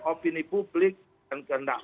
opini publik dan gendak